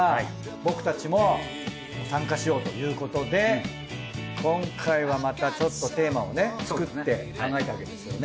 僕たちも参加しようということで今回はまたちょっとテーマをね作って考えたわけですよね。